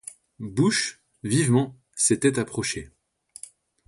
Busch, vivement, s'était approché.